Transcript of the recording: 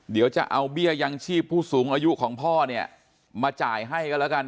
เดี๋ยวจะเอาเบี้ยยังชีพผู้สูงอายุของพ่อเนี่ยมาจ่ายให้กันแล้วกัน